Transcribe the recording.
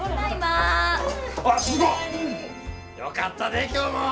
よかったで今日も！